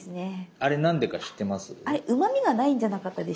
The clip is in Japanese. あれ何でか知ってます？